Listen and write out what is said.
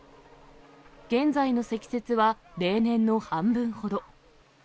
現在の積雪は例年の半分ほど。